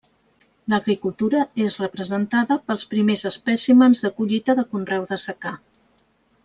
L'agricultura és representada pels primers espècimens de collita de conreu de secà.